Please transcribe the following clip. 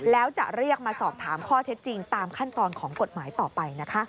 แล้วจะเรียกมาสอบถามข้อเท็จจริงตามขั้นตอนของกฎหมายต่อไปนะคะ